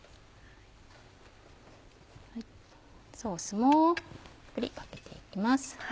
ソースもたっぷりかけて行きます。